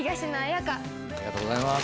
ありがとうございます。